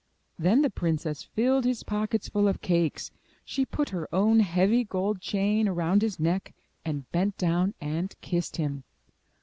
Then the princess filled his pockets full of cakes; she put her own heavy gold chain around his neck, and bent down and kissed him.